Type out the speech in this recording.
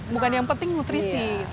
bukan yang penting nutrisi